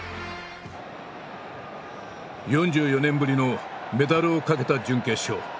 ４４年ぶりのメダルをかけた準決勝。